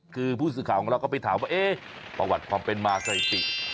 คือผู้สื่อข่าวของเราก็ไปถามว่าเอ๊ะประวัติความเป็นมาสถิติ